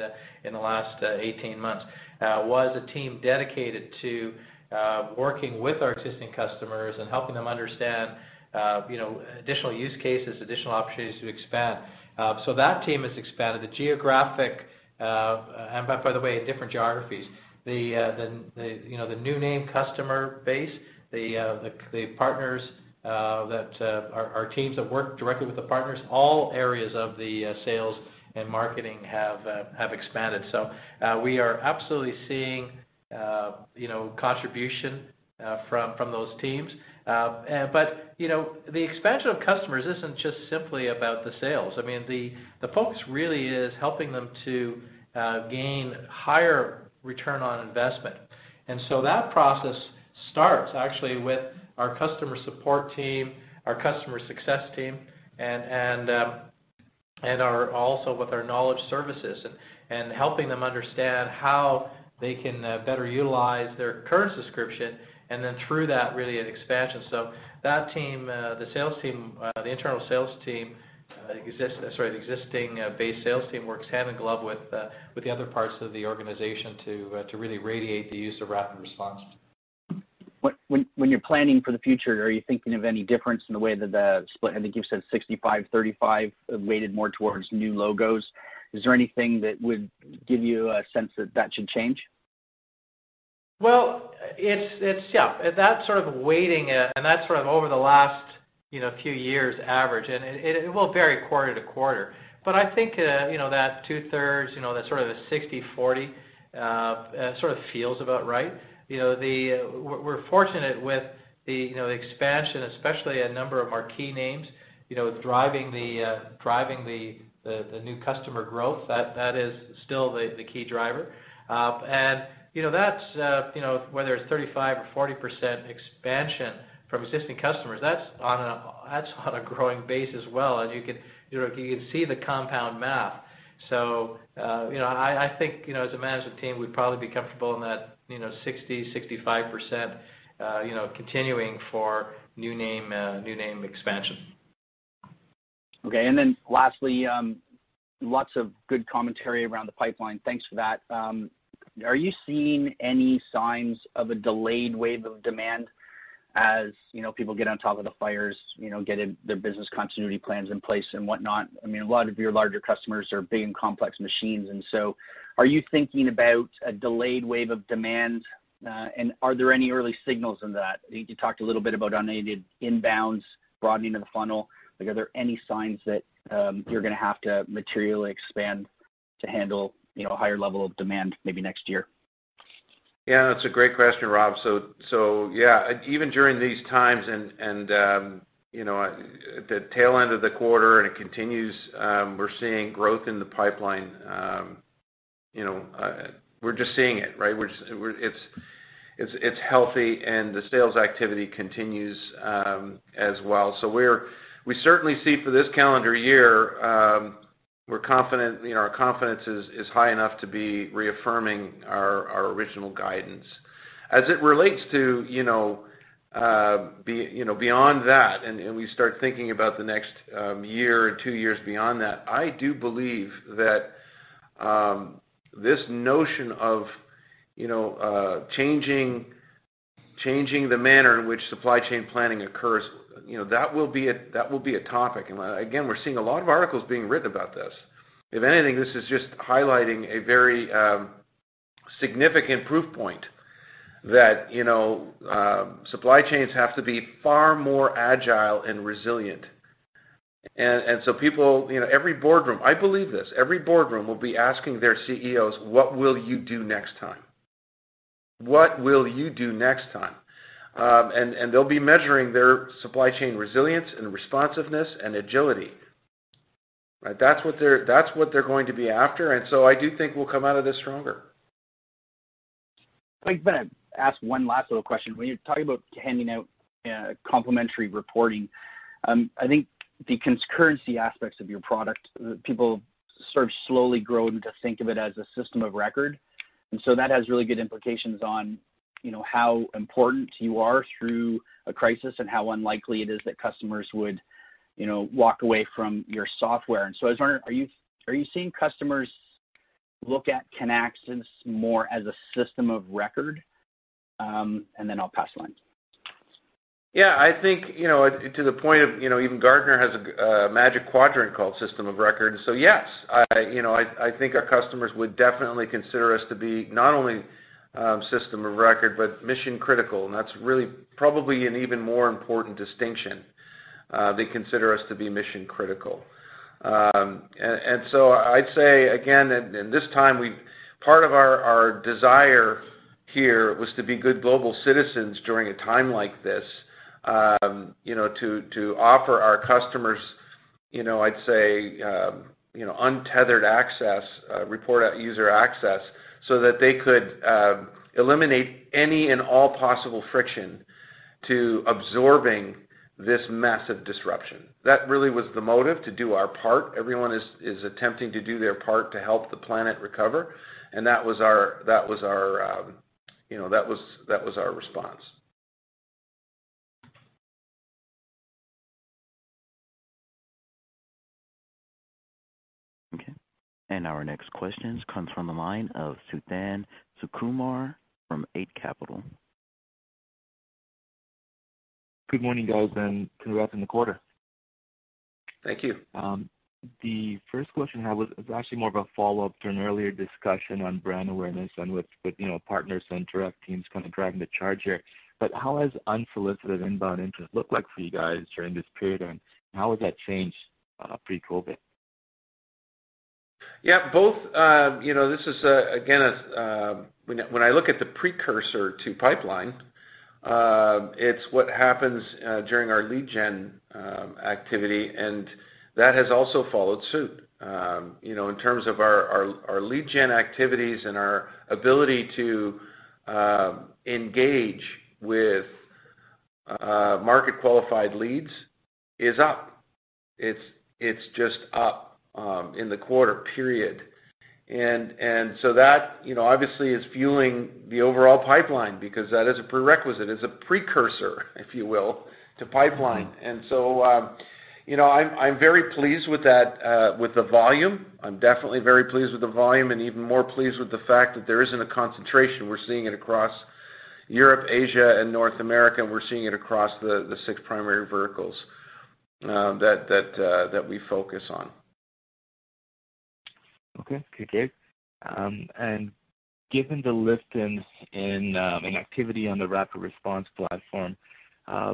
in the last 18 months, was a team dedicated to working with our existing customers and helping them understand additional use cases, additional opportunities to expand. That team has expanded. Different geographies. The new name customer base, the partners that our teams have worked directly with the partners, all areas of the sales and marketing have expanded. We are absolutely seeing contribution from those teams. The expansion of customers isn't just simply about the sales. The focus really is helping them to gain higher return on investment. That process starts, actually, with our customer support team, our customer success team, and also with our knowledge services, and helping them understand how they can better utilize their current subscription, and then through that, really an expansion. That team, the internal sales team, sorry, the existing base sales team works hand in glove with the other parts of the organization to really radiate the use of RapidResponse.
When you're planning for the future, are you thinking of any difference in the way that the split, I think you've said 65-35, weighted more towards new logos? Is there anything that would give you a sense that that should change?
Well, yeah. That sort of weighting, and that's over the last few years average, and it will vary quarter to quarter. I think that two-thirds, that sort of the 60%-40%, sort of feels about right. We're fortunate with the expansion, especially a number of marquee names driving the new customer growth. That is still the key driver. That's whether it's 35% or 40% expansion from existing customers, that's on a growing base as well. You can see the compound math. I think as a management team, we'd probably be comfortable in that 60%-65% continuing for new name expansion.
Okay, lastly, lots of good commentary around the pipeline. Thanks for that. Are you seeing any signs of a delayed wave of demand as people get on top of the fires, get their business continuity plans in place and whatnot? A lot of your larger customers are big and complex machines. Are you thinking about a delayed wave of demand? Are there any early signals in that? You talked a little bit about all needed inbounds, broadening of the funnel. Are there any signs that you're going to have to materially expand to handle a higher level of demand maybe next year?
Yeah, that's a great question, Rob. Yeah, even during these times and at the tail end of the quarter, and it continues, we're seeing growth in the pipeline. We're just seeing it, right? It's healthy, and the sales activity continues as well. We certainly see for this calendar year, our confidence is high enough to be reaffirming our original guidance. As it relates to beyond that, and we start thinking about the next year or two years beyond that, I do believe that this notion of changing the manner in which supply chain planning occurs, that will be a topic. Again, we're seeing a lot of articles being written about this. If anything, this is just highlighting a very significant proof point that supply chains have to be far more agile and resilient. People, every boardroom, I believe this, every boardroom will be asking their CEOs, "What will you do next time? What will you do next time?" They'll be measuring their supply chain resilience and responsiveness and agility, right? That's what they're going to be after. I do think we'll come out of this stronger.
I was going to ask one last little question. When you talk about handing out complimentary reporting, I think the concurrency aspects of your product, people sort of slowly grown to think of it as a system of record. That has really good implications on how important you are through a crisis, and how unlikely it is that customers would walk away from your software. I was wondering, are you seeing customers look at Kinaxis more as a system of record? I'll pass the line.
I think to the point of even Gartner has a Magic Quadrant called system of record. Yes, I think our customers would definitely consider us to be not only system of record, but mission-critical, and that's really probably an even more important distinction. They consider us to be mission-critical. I'd say again, in this time, part of our desire here was to be good global citizens during a time like this, to offer our customers I'd say, untethered access, report user access, so that they could eliminate any and all possible friction to absorbing this massive disruption. That really was the motive, to do our part. Everyone is attempting to do their part to help the planet recover, and that was our response.
Okay. Our next question comes from the line of Suthan Sukumar from Eight Capital.
Good morning, guys, and congrats on the quarter.
Thank you.
The first question I have is actually more of a follow-up to an earlier discussion on brand awareness and with partners and direct teams kind of driving the charge here, how has unsolicited inbound interest looked like for you guys during this period, and how has that changed pre-COVID?
Yeah, both. This is, again, when I look at the precursor to pipeline, it's what happens during our lead gen activity, and that has also followed suit. In terms of our lead gen activities and our ability to engage with market-qualified leads is up. It's just up in the quarter, period. That obviously is fueling the overall pipeline because that is a prerequisite, it's a precursor, if you will, to pipeline. I'm very pleased with the volume. I'm definitely very pleased with the volume and even more pleased with the fact that there isn't a concentration. We're seeing it across Europe, Asia, and North America, and we're seeing it across the six primary verticals that we focus on.
Okay. Given the lift in activity on the RapidResponse platform,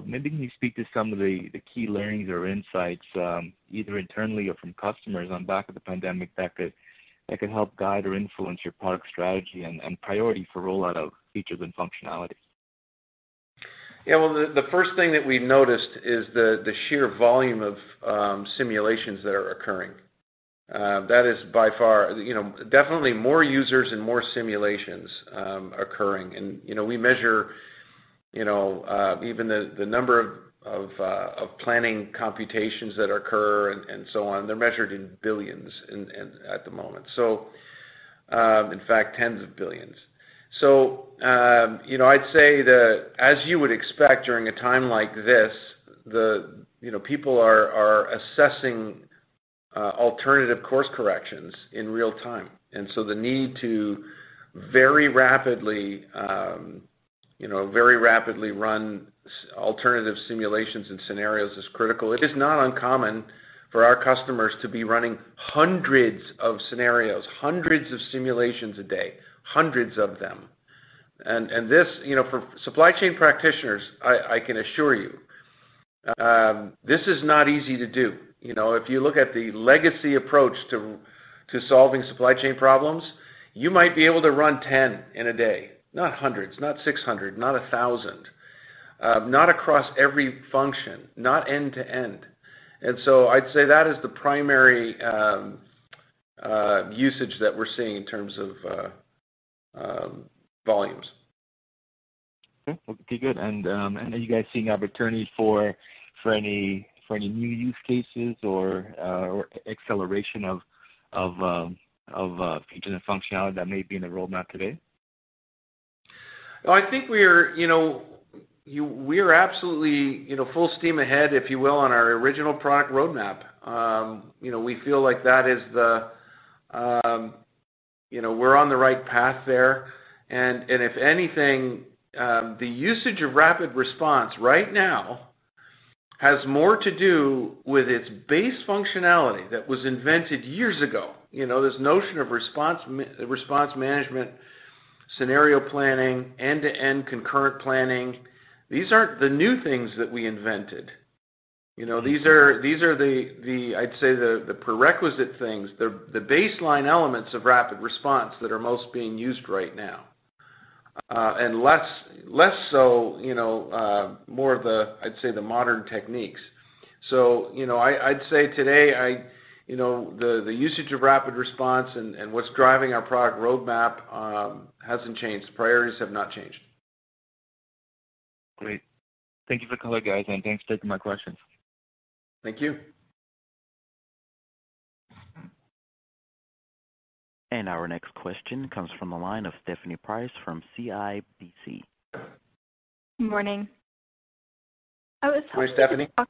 maybe can you speak to some of the key learnings or insights, either internally or from customers on back of the pandemic that could help guide or influence your product strategy and priority for rollout of features and functionalities?
Yeah. Well, the first thing that we noticed is the sheer volume of simulations that are occurring. That is by far, definitely more users and more simulations occurring. We measure even the number of planning computations that occur and so on. They're measured in billions at the moment. In fact, tens of billions. I'd say that as you would expect during a time like this, people are assessing alternative course corrections in real-time. The need to very rapidly run alternative simulations and scenarios is critical. It is not uncommon for our customers to be running hundreds of scenarios, hundreds of simulations a day, hundreds of them. This, for supply chain practitioners, I can assure you. This is not easy to do. If you look at the legacy approach to solving supply chain problems, you might be able to run 10 in a day, not hundreds, not 600, not 1,000. Not across every function, not end to end. I'd say that is the primary usage that we're seeing in terms of volumes.
Okay. Good. Are you guys seeing opportunities for any new use cases or acceleration of the functionality that may be in the roadmap today?
I think we're absolutely full steam ahead, if you will, on our original product roadmap. We feel like we're on the right path there, and if anything, the usage of RapidResponse right now has more to do with its base functionality that was invented years ago. This notion of response management, scenario planning, end-to-end concurrent planning. These aren't the new things that we invented. These are, I'd say, the prerequisite things, the baseline elements of RapidResponse that are most being used right now. Less so more of the, I'd say, the modern techniques. I'd say today, the usage of RapidResponse and what's driving our product roadmap hasn't changed. Priorities have not changed.
Great. Thank you for the color, guys, and thanks for taking my questions.
Thank you.
Our next question comes from the line of Stephanie Price from CIBC.
Good morning.
Where's Stephanie?
I was hoping you could talk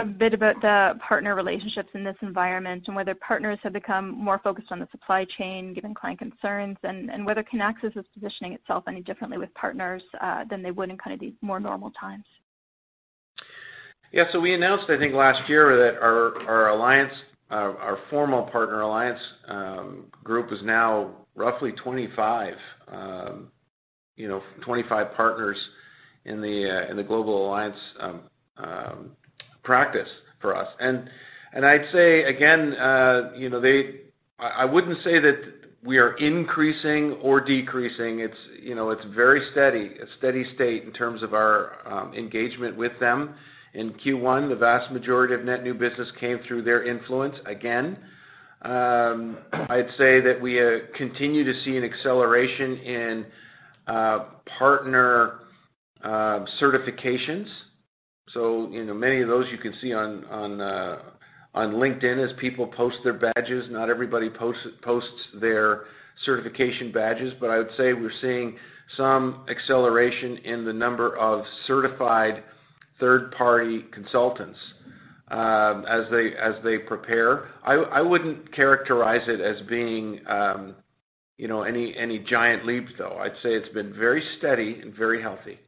a bit about the partner relationships in this environment, and whether partners have become more focused on the supply chain, given client concerns, and whether Kinaxis is positioning itself any differently with partners than they would in kind of these more normal times?
We announced, I think, last year that our formal partner alliance group is now roughly 25 partners in the Global Alliance practice for us. I'd say, again, I wouldn't say that we are increasing or decreasing. It's very steady, a steady state in terms of our engagement with them. In Q1, the vast majority of net new business came through their influence, again. I'd say that we continue to see an acceleration in partner certifications. Many of those you can see on LinkedIn as people post their badges. Not everybody posts their certification badges, but I would say we're seeing some acceleration in the number of certified third-party consultants as they prepare. I wouldn't characterize it as being any giant leaps, though. I'd say it's been very steady and very healthy.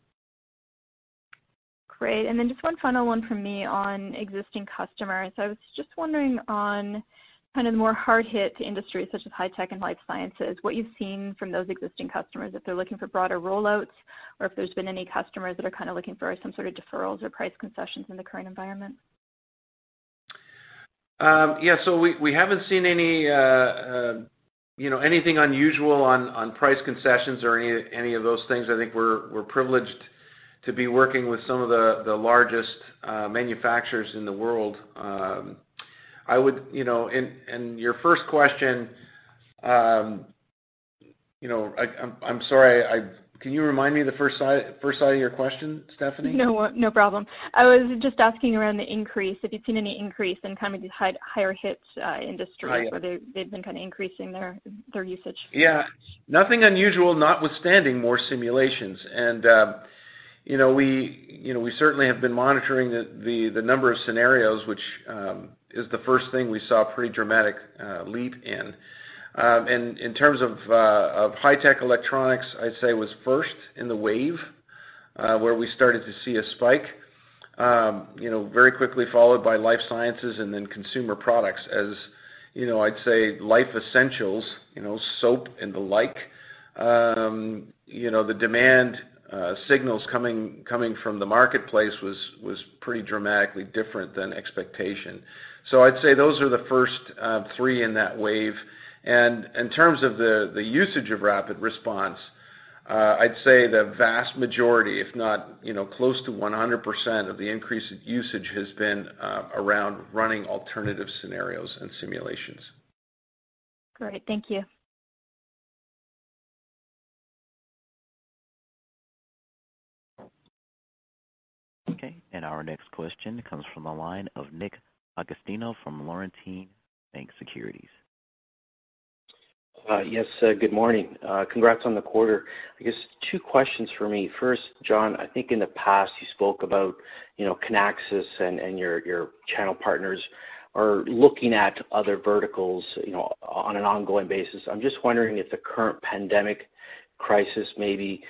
Great. Just one final one from me on existing customers. I was just wondering on kind of the more hard-hit industries such as high-tech and life sciences, what you've seen from those existing customers, if they're looking for broader roll-outs or if there's been any customers that are kind of looking for some sort of deferrals or price concessions in the current environment.
Yeah. We haven't seen anything unusual on price concessions or any of those things. I think we're privileged to be working with some of the largest manufacturers in the world. Your first question, I'm sorry, can you remind me the first side of your question, Stephanie?
No problem. I was just asking around the increase, if you've seen any increase in kind of these higher-hit industries.
Oh, yeah.
where they've been kind of increasing their usage.
Yeah. Nothing unusual, notwithstanding more simulations. We certainly have been monitoring the number of scenarios, which is the first thing we saw a pretty dramatic leap in. In terms of high-tech electronics, I'd say was first in the wave, where we started to see a spike. Very quickly followed by life sciences and then consumer products. I'd say life essentials, soap and the like, the demand signals coming from the marketplace was pretty dramatically different than expectation. I'd say those are the first three in that wave. In terms of the usage of RapidResponse, I'd say the vast majority, if not close to 100% of the increase in usage, has been around running alternative scenarios and simulations.
Great. Thank you.
Okay. Our next question comes from the line of Nick Agostino from Laurentian Bank Securities.
Yes, good morning. Congrats on the quarter. I guess two questions from me. First, John, I think in the past you spoke about Kinaxis and your channel partners are looking at other verticals on an ongoing basis. I'm just wondering if the current pandemic crisis maybe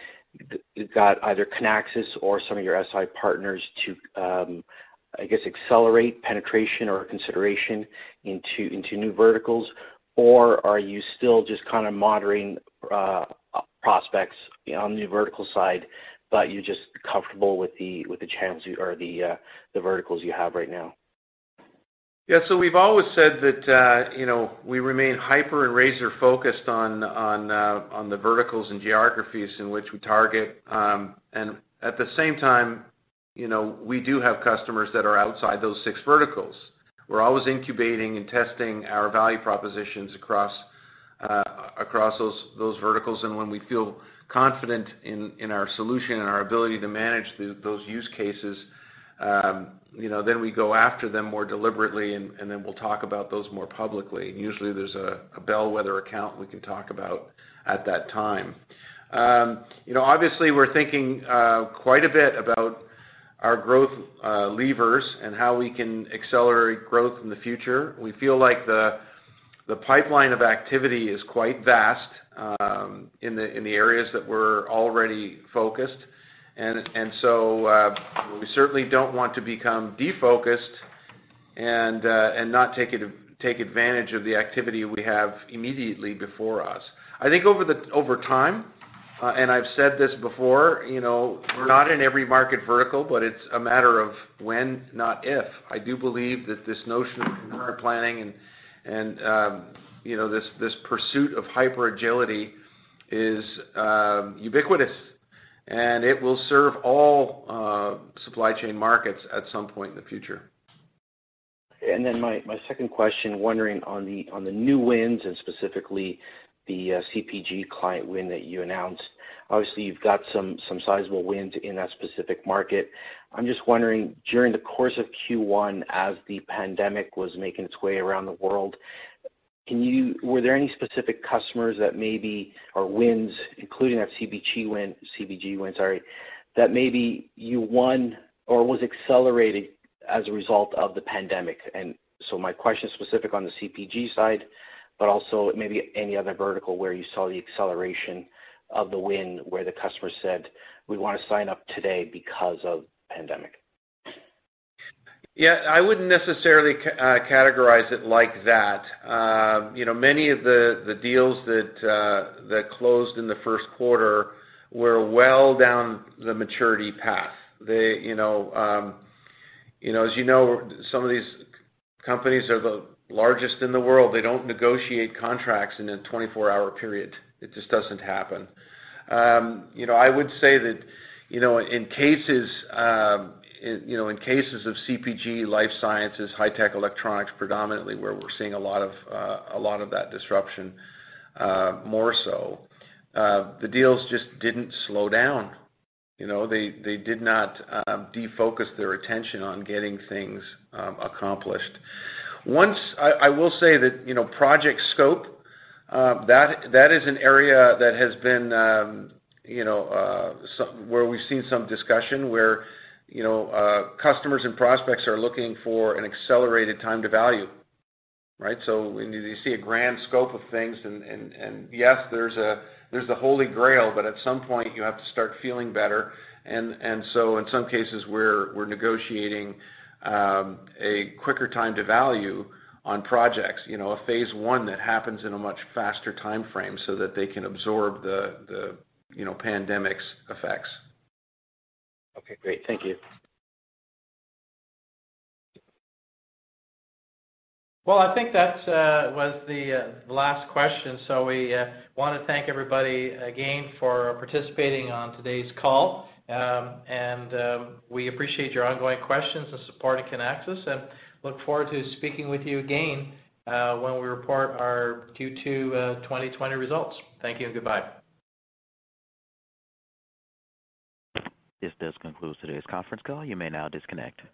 got either Kinaxis or some of your SI partners I guess, accelerate penetration or consideration into new verticals, or are you still just kind of monitoring prospects on the vertical side, but you're just comfortable with the channels or the verticals you have right now?
Yeah. We've always said that we remain hyper and razor focused on the verticals and geographies in which we target. At the same time, we do have customers that are outside those six verticals. We're always incubating and testing our value propositions across those verticals. When we feel confident in our solution and our ability to manage those use cases, we go after them more deliberately, and we'll talk about those more publicly. Usually there's a bellwether account we can talk about at that time. Obviously, we're thinking quite a bit about our growth levers and how we can accelerate growth in the future. We feel like the pipeline of activity is quite vast in the areas that we're already focused. We certainly don't want to become defocused and not take advantage of the activity we have immediately before us. I think over time, and I've said this before, not in every market vertical, but it's a matter of when, not if. I do believe that this notion of concurrent planning and this pursuit of hyper agility is ubiquitous, and it will serve all supply chain markets at some point in the future.
My second question, wondering on the new wins and specifically the CPG client win that you announced, obviously you've got some sizable wins in that specific market. I'm just wondering, during the course of Q1, as the pandemic was making its way around the world, were there any specific customers that maybe are wins, including that CPG win, that maybe you won or was accelerated as a result of the pandemic? My question is specific on the CPG side, but also maybe any other vertical where you saw the acceleration of the win, where the customer said, "We want to sign up today because of pandemic.
Yeah, I wouldn't necessarily categorize it like that. Many of the deals that closed in the first quarter were well down the maturity path. As you know, some of these companies are the largest in the world. They don't negotiate contracts in a 24-hour period. It just doesn't happen. I would say that in cases of CPG, life sciences, high tech electronics predominantly, where we're seeing a lot of that disruption, more so, the deals just didn't slow down. They did not defocus their attention on getting things accomplished. I will say that project scope, that is an area where we've seen some discussion where customers and prospects are looking for an accelerated time to value, right? You see a grand scope of things, and yes, there's the Holy Grail, but at some point you have to start feeling better. In some cases, we're negotiating a quicker time to value on projects, a phase one that happens in a much faster time frame so that they can absorb the pandemic's effects.
Okay, great. Thank you.
Well, I think that was the last question. We want to thank everybody again for participating on today's call. We appreciate your ongoing questions and support of Kinaxis, and look forward to speaking with you again when we report our Q2 2020 results. Thank you and goodbye.
This does conclude today's conference call. You may now disconnect.